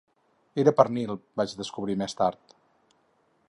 Era pernil, vaig acabar descobrint més tard.